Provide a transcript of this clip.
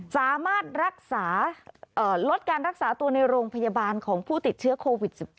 สามารถรักษาลดการรักษาตัวในโรงพยาบาลของผู้ติดเชื้อโควิด๑๙